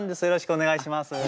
よろしくお願いします。